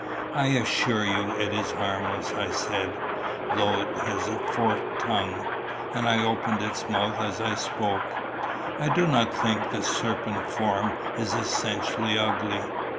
"I assure you it is harmless," I said, "though it has a forked tongue." And I opened its mouth as I spoke. "I do not think the serpent form is essentially ugly."